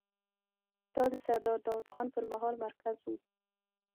دا د سردار داوود خان پر مهال مرکز و.